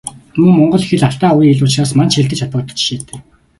Мөн Монгол хэл Алтай овгийн хэл учраас Манж хэлтэй ч холбогдох жишээтэй.